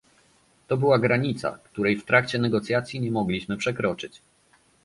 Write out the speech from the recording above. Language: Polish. To była granica, której w trakcie negocjacji nie mogliśmy przekroczyć